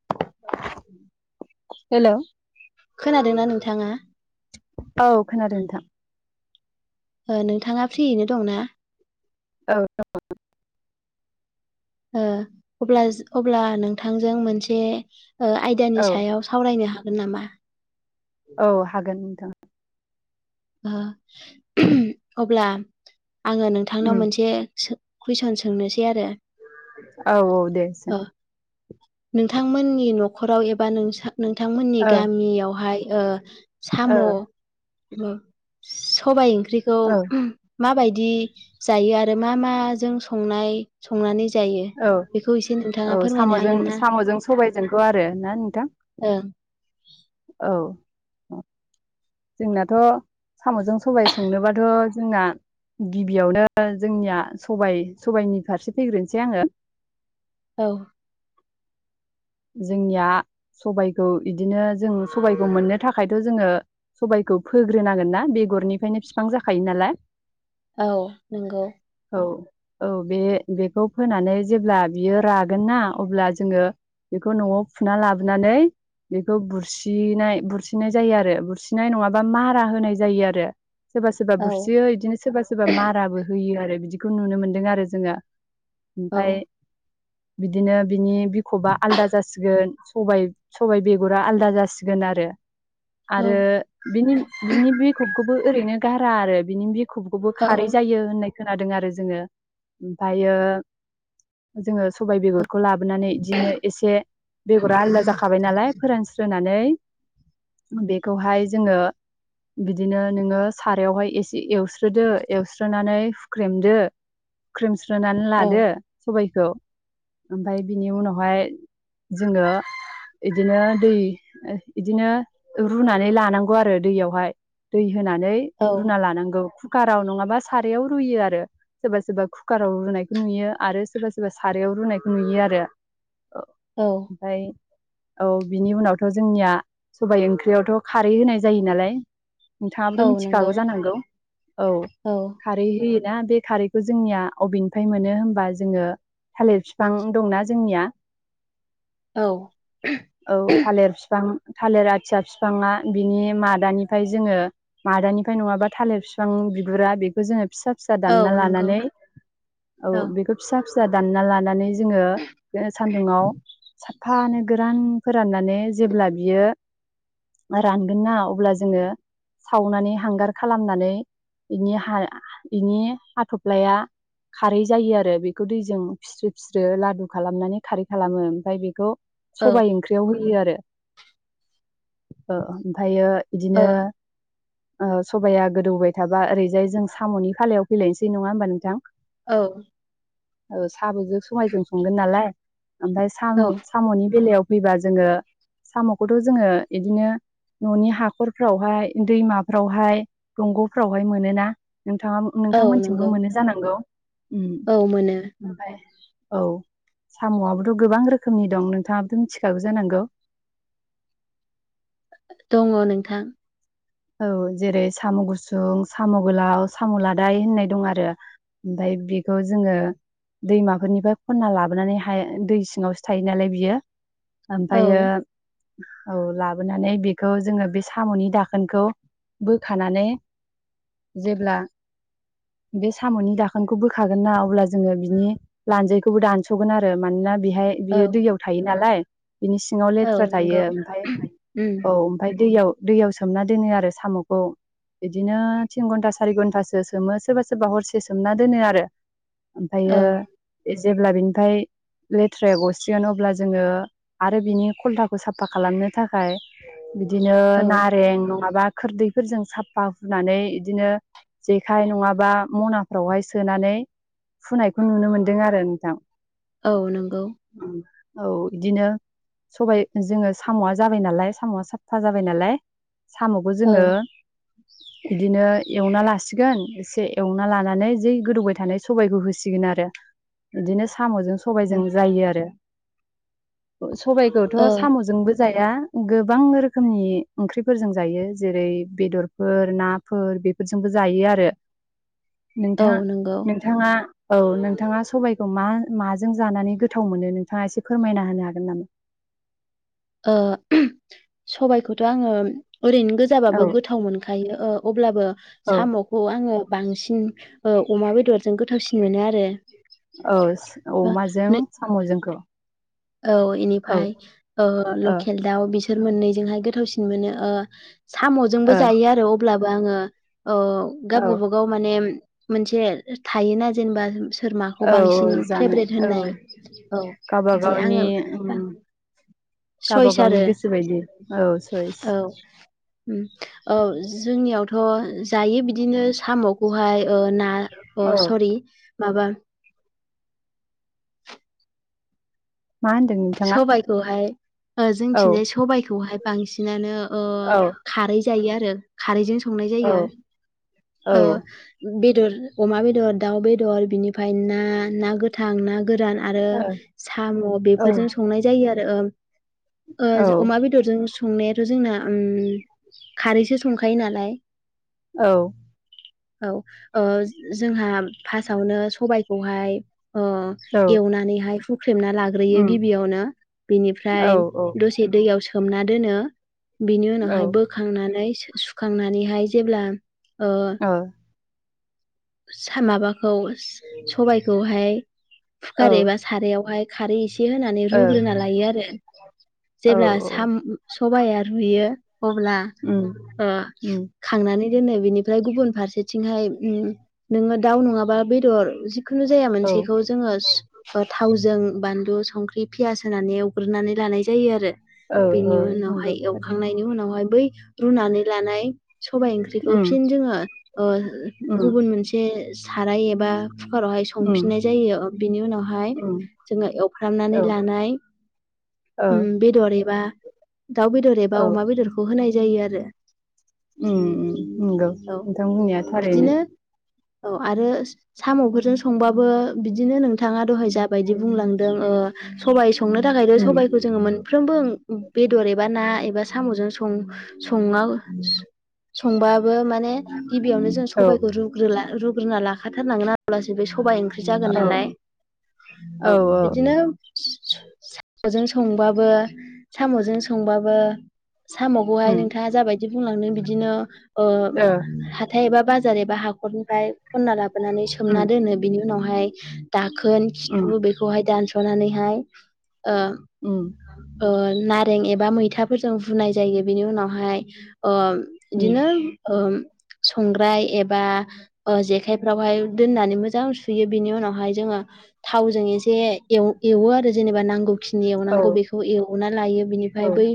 [inaudible] हेल' खोनादोंना नोंथाङा औ खोनादों नोंथां ओ नोंथाङा फ्रियैनो दंना? औ दङ [inaudible] ओ अब्लाज अब्ला नोंथांजों मोनसे ओ आयदानि औ सायाव सावरायनो हागोन नामा? औ हागोन नोंथां। ओ अब्ला आङो उम नोंथांनाव मोनसे सो कुइसन सोंनोसै आरो औ औ दे सों ओ नोंथांमोननि न'खराव एबा नोंथांमोननि ओ गामियावहाय ओ साम' ओ सबाय ओंख्रिखौ औ माबायदि जायो आरो आरो मा माजों संनाय संनानै जायो औ बेखौ एसे नोंथाङा औ फोरमायनो साम'जों हागोन ना साम'जों सबायजोंखौ आरो ना नोंथां? ओ औ जोंनाथ' साम'जों सबाय संनोबाथ' जोंना गिबियावनो जोंनिया सबय सबायाइनि फारसे फैग्रोनोसै आङो औ जोंनिया सबायखौ बिदिनो जों सबायखौ मोननो थाखायथ' जोङो सबायखौ फोग्रोनांगोन ना बेगरनिफायनो फिफां जाखायो नालाय औ नंगौ औ औ बे-बेखौ फोनानै जेब्ला बियो रागोन ना अब्ला जोङो बेखौ न'आव फुना लाबोनानै बेखौ बुरसिनाय बुरसिनाय जायो आरो बुरसिनाय नङाबा माहारा होनाय जायो आरो सोरबा सोरबा औ बुरसियो इदिनो सोरबा सोरबा माराबो होयो आरो बिदिखौ नुनो मोन्दों आरो जोङो औ ओमफाय बिदिनो बिनि बि ख'बा आलदा जासिगोन सबाय-सबाय बेग'रा आलदा जासिगोन आरो औ आरो बिनि बिनि बिखबखौबो ओरैनो गारा आरो बिनि बि खबखौबो खारै जायो होननाय खोनादों आरो जोङो ओमफायो जोङो सबाय बेग'रखौ लाबोनानै दिनो एसे बेग'रा आलदा जाखाबाय नालाय फोरानस्रोननानै बेखौहाय जोङो बिदिनो नोङो सारायावहाय एसे एवस्रोदो एवस्रोनानै हुख्रेमदो ख्रेमस्रोनानै लादो औ सबायखौ ओमफाय बिनि उनाव बहाय जोङो इदिनो दै बिदिनो रुनानै लानांगौ आरो दैयावहाय दै होनानै औ रुना लानांगौ खुकाराव नङाबा सारयाव रुयो आरो सोरबा सोरबा खुकाराव रुनायखौ नुयो आरो सोरबा सोरबा सारायाव रुनायखौ नुयो आरो ओ‌ औ ओमफाय औ बिनि उनावथ' जोंनिया सबाय ओंख्रियावथ' खारै होनाय जायो नालाय औ नोंथाङाबो नंगौ मिथिखागौ जानांगौ औ खारैहोयो [unintelligible] बे खारैखौ जोंनिया अबेनिफ्राय मोनो होमबा जोङो थालिर बिफां दंना जोंनिया औ औ थालिर फिफां थालिर आथिया फिफाङा बिनि मादानिफ्राय जोङो मादानिफ्राय नङाबा थालिर फिफां बिगुरा बेखौ जोङो फिसा फिसा औ दानना नंगौ लानानै औ औ बेखौ फिसा फिसा दानना लानानै जोङो सान्दुङाव साफानो गोरान फोराननानै जेब्ला बियो रानगोन ना अब्ला जोङो सावनानै हांगार खालामनानै बिनि हा बिनि हाथ'फ्लाया खारै जायो आरो बेखौ दैजों फिस्रो फिस्रो लादु खालामनानै खारै खालामो ओमफाय बेखौ ओ सबाइ ओंख्रियाव होयो आरो ओ ओमफायो औ इदिनो ओ सबाया गोदौबाय थाबा ओरैजाय जों साम'नि फालायाव फैलायनोसै नङा होमबा नोंथां औ ओ साबुजों सबायजों संगोन नालाय ओमफायशय सामु-साम'नि बेलायाव फैबा जोङो साम'खौथ' जोङो इदिनो न'नि हाखरफ्रावहाय दैमाफ्रावहाय दंग'फ्रावहाय मोनोना। नोंथाङा औ नोंथांमोनथिंबो नंगौ मोनो जानांगौ उम औ मोनो ओफाय औ साम'आबोथ' गोबां रोखोमनि दं नोंथाङाबोथ' मिथिखागो जानांगौ [inaudible] दङ नोंथां औ जेरै साम' गुसुं साम' गोलाव साम' लादाय होननाय दं आरो ओमफाय बेखौ जोङो दैमाफोरनिफाय खन्ना लाबोनानै हाय दै सिङावसो थायो नालाय बियो औ ओमफायो औ लाबोनानै बेखौ जोङो बे साम'नि दा खोनखौ बोखानानै जेब्ला बे साम'नि दाखोनखौ बोखागोन ना अब्ला जोङो बिनि लान्जायखौबो दानस'गोन आरो मानोना बेहाय औ बियो दैयाव थायो नालाय बिनि सिङाव औ लेथ्रा थायो नंगौ ओमफाय उम औ ओमफाय दैयाव दैयाव सोमना दोनो आरो साम'खौ। बिदिनो थिन घन्टा सारि घन्टासो सोमो सोरबा सोरबा हरसे सोमना दोनो आरो औ ओमफ्रायो जेब्ला बेनिफ्राय लेथ्राया गसिगोन अब्ला जोङो आरो बिनि खलथाखौ साफा खालामनो थाखाय बिदिनो औ नारें नङाबा खोरदैफोरजों साफा हुनानै बिदिनो जेखाइ नङाबा मनाफ्रावहाय सोनानै फुनायखौ नुनो मोनदों आरो नोंथां। औ नंगौ औ बिदिनो सबाइ जोङो साम'आ जाबाय नालाय साम'आ साफा जाबाय नालाय साम'खौ औ जोङो [inaudible] बिदिनो एवना लासिगोन एसे एवना लानानै जै गोदौबाय थानाय सबायखौ होसिगोन आरो। बिदिनो साम'जों औ सबायजों जायो आरो सबायखौथ' ओ साम'जोंबो जाया गोबां रोखोमनि ओंख्रिफोरजों जायो जेरै बेदरफोर नाफोर बेफोरजोंबो जायो आरो औ नोंथां नंगौ नोंथाङा औ नोंथाङा सबाइखौ मा माजों जानानै गोथाव मोनो नोंथाङा एसे फोरमायना होनो हागोन नामा? औ ओम सबायखौथ' आङो ओरैनो औ गोजाबाबो गोथाव मोनखायो ओ अब्लाबो औ साम'खौ आङो बांसिन औ अमा बेदरजों गोथावसिन मोनो आरो। औ ओ अमाजों नों साम'जोंखौ? औ औ ओ बेनिफ्राय ओ ओ लकेल दाउ बिसोर मोननैजोंहाय गोथावसिन मोनो। साम'जोंबो औ जायो आरो अब्लाबो आङो ओ गाव औ गाबागाव माने मोनसे थायोना जेनेबा सोर माखौ औ औ बांसिन जानाय फेभरेट औ होननाय औ बिदि गबागावनि आङो ओम सयस आरो गावबा-गावनि गोसो बायदि औ सइस औ औ जोंनियावथ' थ' जायो बिदिनो साम'खौहाय ओ ना ओ औ सरि माबा मा होनदों नोंथाङा सबाइखौहाय औ जोंथिंनाय सबाइखौहाय बांसिनानो ओ औ खारै जायो आरो खारैजों सं संनाय औ जायो औ ओ बेदर अमा बेदर दाउ बेदर बेदर बिनिफ्राय ना ना गोथां ना गोरान आरो ओ साम' बे औ बेफोरजों संनाय जायो आरो ओ औ ओ अमा बेदरजों संनायाथ' जोंना ओम खारैसो संखायो नालाय औ औ ओ जोंहा फार्स्टआवनो सबायखौहाय अ औ एवनानैहाय हुख्रेमना लाग्रोयो गि उम गिबियावनो औ बिनिफ्राय ओ दसे दैयाव सोमना दोनो बिनि ओ उनावहाय बोखांनानै सुखांनानैहाय जेब्ला ओ सा माबाखौ सबायखौहाय कुकार एबा सारायावहाय खारै एसे होनानै रुग्रोना लायो आरो जेब्ला ओ साम सबाया रुयो अब्ला ओ खांनानै दोनो बिनिफ्राय गुबुन फारसेथिंहाय नोङो दाउ नङाबा बेदर खो जाया औ मोनसेखौ जोंओ सु ज थावजों बानलु स संख्रि पियास होनानै एवग्रोनानै लानाय जायो आरो बेनि औ उनावहाय नंगौ एवखांनायनि उनावहाय बै रुनानै लानाय सबाइ ओंख्रिखौ थारैनो फिन जोङो ओ गुबुन मोनसे ओ साराय एबा कुकारावहाय संफिननाय जायो बिनि उनावहाय जोङो एवफ्रामनानै लानाय औ औ उम बेदर एबा दाउ बेदर एबा औ अमा बेदरखौ होनाय जायो आरो उ नंगौ औ नोंथां बुंनाया थारैनो बिदिनो औ आरो स साम'फोरजों संबाबो बिदि बिदिनो नोंथाङा दहाय जाबायदि बुंलांदों ओ सबाइ संनो थाखायथ सबाइखौ जोङो मोनफ्रोमबो बेदर एबा ना एबा साम'जों सं संआ स संबा बो माने गिबियावनो जों औ सबाइखौ रुग्रोला रुग्रोना लाखाथारनांगोन आ ला से बे सबाइ ओंख्रि जागोन औ नालाय औ बिदिनो स सु साम'जों संबाबो साम'जों संबाबो सामावखौहाय उम नोंथाङा जाबायदि बुंलांदों बिदिनो ओ हाथाय एबा बाजार एबा हा नखरनिफ्राय खनना लाबोनानै उम सोमना दोनो बिनि उनावहाय दाखोन उम खिथु बेखौहाय दानस'नानैहाय ओ उम ओ नारें ए बा मैथाफोरजों रुनाय जायो बिनि उनावहाय ओ उम बिदिनो ओ संग्राय एबा ओ जेखायफ्रावहाय दोननानै मोजां सुयो बेनि उनावहाय जोङो थावजों एसे एव एवो आरो जेनेबा नांगौखिनि औ एवनांगौ बेखौ एवना लायो बिनिफ्राय औ बै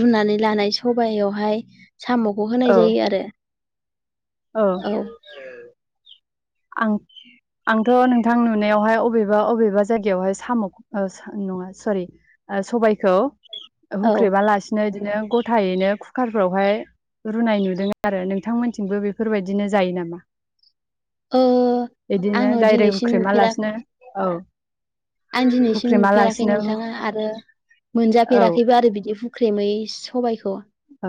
रुनानै लानाय सबायावहाय साम'खौ होनाय औ जायो आरो औ आं आं थ नोंथां नुनायावहाय अबेबा बबेबा जायगाय़ाव हाय साम ओ स नंआ सरि ओ सबाय गबायखौ औ हुख्रेबालासिनो बिदिनो गथायैनो कुकारफ्रावहाय रुनाय नुदों आरो नोंथांमोनथिंबो बेफोरबायदिनो जायो नामा ओ बिदिनो आङो डाइरेक्ट दिनैसिम नुफेरा हुख्रेमालासिनो औ आं दिनैसिम नुफेराखै हुख्रेमालासिनो नोंथाङा आरो औ मोनजाफेराखैबो आरो बिदि हुख्रेमै सबायखौ औ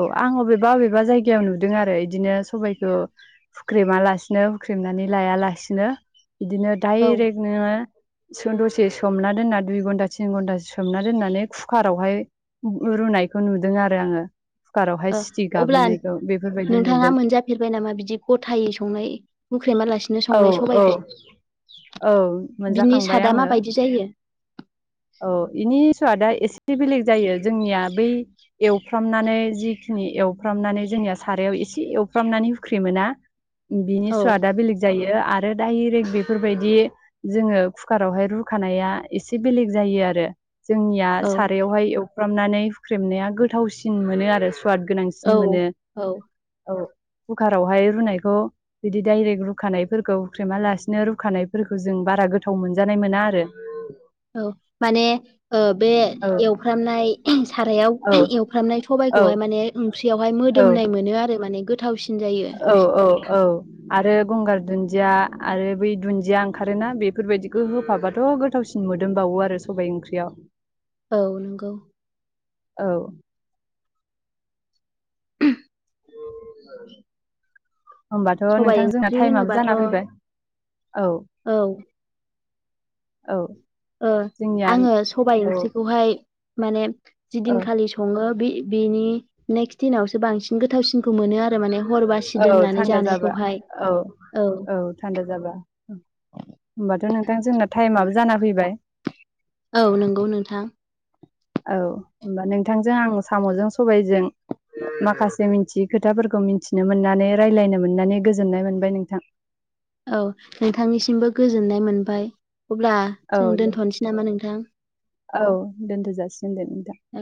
औ आं अबेबा बबेबा जायगायाव नुदों आरो इदिनो सबबायखौ हुख्रेमा लासिनो हुख्रेमनानै लाया लासेनो नो बिदिनो औ डाइरेक्टनो [unintelligible] े सोमना दोन्ना दुइ घन्टा थिन घन्टा सोमना दोन्नानै कुकार आवहाय रुनाय बेखौ नुदों आरो आङो ओ सिटि अब्ला गाबहोनायखौ बेफोरबायदि नोंथाङा नुदों मोनजाफेरबाय नामा बिदि गथायै संनाय बुख्रेमालासिनो औ संनाय औ सबायखौ औ बिनि मोनजाखांबाय सादा आङो माबायदि जायो औ बेनि सवादआ एसे एसे बेलेग जायो जोंनिया बै एवफ्रामनानै जिखिनि एवफ्रामनानै जोंनिया सारायाव एसे एवफ्रामनानै हुख्रि मोना बिनि औ स्वादा बेलेग जायो आरो आरो डायरेक्ट बेफोरबायदि जोङो कुकारावहाय रुखानाया एसे बेलेग जायो आरो जोंनिया औ सारायावहाय एवफ्रामनानै हुख्रेमनाया गोथावसिन मोनो आरो सवाद औ गोनांसिन मोनो औ औ कुकारावहाय रुनायखौ बिदि डाइरेक्ट रुखानायफोरखौ हुख्रेमालासिनो रुखानायफोरखौ जों बारा गोथाव मोनजानाय मोना आरो औ माने ओ बे औ एवफ्रामनाय सारायाव एवफ्रामनाय औ सबाइखौहाय माने ओंख्रियावहाय औ मोदोमनाय मोनो आरो माने गोथावसिन जायो औ औ औ आरो गंगार दुन्दिया आरो बै दुन्दिया ओंखारोना बेफोरबायदिखौ होफाबाथ गोथावसिन मोन मोदोमबावो आरो सबाइ ओंख्रियाव औ नंगौ औ [inaudible] औ होमबाथ सबाय नोंथां जोंना ओंख्रि टाइमाबो होनोबाथ' जाना फैबाय औ। औ औ। ओ जोंनिया आंङो सबाय औ ओंख्रिखौहाय माने औ जिदिनखालि सङो बे बेनि नेक्स्ट दिनावसो बांसिन गोथावसिन खौ मोनो आरो माने हर बासि औ दोननानै थान्दा जाबा जानायखौहाय। औ औ थान्दा जाबा होमबाथ नों थां जोंना थाइमाबो जाना फैबाय। औ नंगौ नोंथां। औ होमबा नोंथांजों आं सामजों सबाइजों माखासे मिथियै खोथाफोरखौ मिथिनो मोननानै रायज्लायनो मोननानै गोजोननाय मोनबाय नोंथां। औ नोंथांनिसिमबो गोजोननाय मोनबाय। अब्ला औ जों दे दोनथनोसै नामा नोंथां? औ दोनथ जासिगोन दे नोंंथां। औ